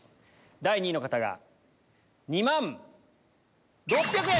第２位の方が２万６００円！